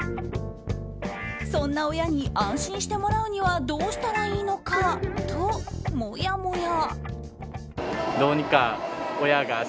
そんな親に安心してもらうにはどうしたらいいかと、もやもや。